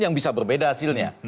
yang bisa berbeda hasilnya